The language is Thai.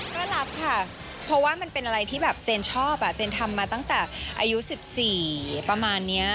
ก็รับค่ะเพราะว่ามันเป็นอะไรที่แบบเจนชอบเจนทำมาตั้งแต่อายุ๑๔ประมาณนี้